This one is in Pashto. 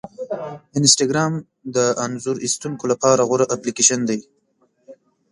انسټاګرام د انځور ایستونکو لپاره غوره اپلیکیشن دی.